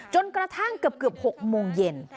จนกระทั่งเกือบ๖โมงเย็น